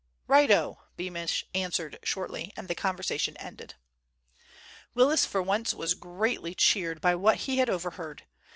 "Righto," Beamish answered shortly, and the conversation ended. Willis for once was greatly cheered by what he had overheard.